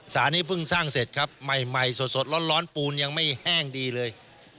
สารนี้เพิ่งสร้างเสร็จครับใหม่สดร้อนปูนยังไม่แห้งดีเลย